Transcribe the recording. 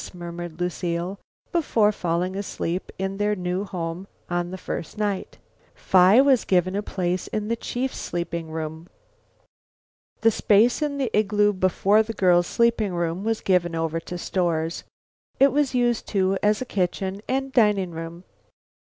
murmured Lucile before falling asleep in their new home on the first night. Phi was given a place in the chief's sleeping room. The space in the igloo before the girls' sleeping room was given over to stores. It was used too as kitchen and dining room.